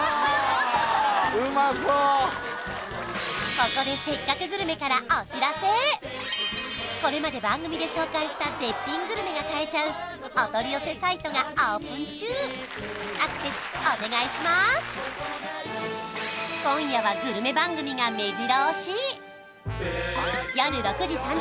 ここで「せっかくグルメ！！」からお知らせこれまで番組で紹介した絶品グルメが買えちゃうお取り寄せサイトがオープン中アクセスお願いします！というお店食べ物